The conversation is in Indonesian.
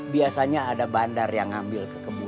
biasanya ada bandar yang ngambil ke kebun